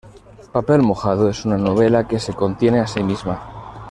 Papel mojado es una novela que se contiene a sí misma.